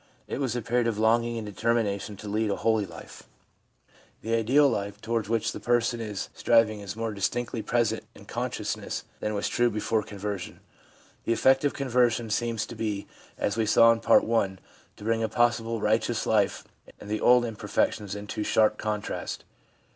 It was a period of longing and determination to lead a holy life/ The ideal life toward which the person is 378 THE PSYCHOLOGY OF RELIGION striving is more distinctly present in consciousness than was true before conversion. The effect of conversion seems to be, as we saw in Part I., to bring a possible righteous life and the old imperfections into sharp contrast.